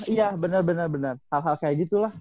iya bener bener bener hal hal kayak gitu lah